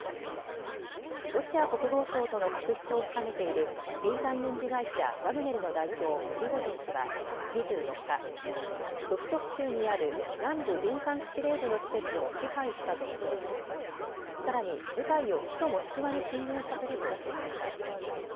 ロシア国防省との確執を深めている民間軍事会社、ワグネルの代表、プリゴジン氏は２４日、ロストフ州にある南部軍管区司令部の施設を支配したと主張しさらに部隊を首都モスクワに進軍させるとしていました。